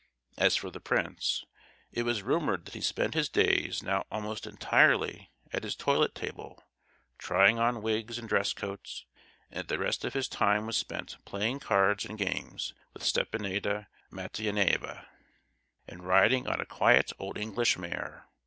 As for the prince, it was rumoured that he spent his days now almost entirely at his toilet table, trying on wigs and dress coats, and that the rest of his time was spent playing cards and games with Stepanida Matveyevna, and riding on a quiet old English mare.